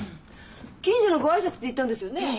近所のご挨拶って言ったんですよねえ？